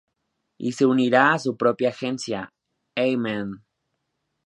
Y se unirá a su propia agencia "A-man".